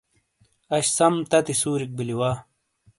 اَش سَم تَتی سُوریک بِیلی وا۔